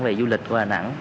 về du lịch của đà nẵng